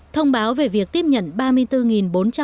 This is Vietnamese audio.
thông báo về việc tiếp nhận ba người tị nạn qua ngã địa trung hải